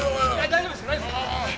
大丈夫ですか？